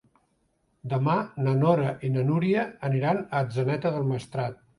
Demà na Nora i na Núria aniran a Atzeneta del Maestrat.